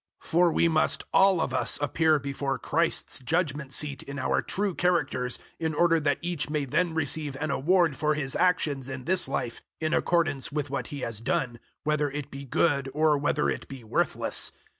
005:010 For we must all of us appear before Christ's judgement seat in our true characters, in order that each may then receive an award for his actions in this life, in accordance with what he has done, whether it be good or whether it be worthless.